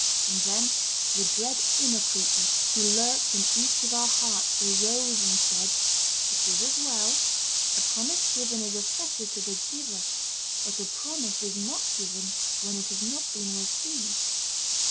And then the dread Inner Creature, who lurks in each of our hearts, arose and said, 'It is as well: a promise given is a fetter to the giver. But a promise is not given when it has not been received.'